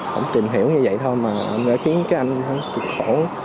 không tìm hiểu như vậy thôi mà đã khiến cái anh thật khổ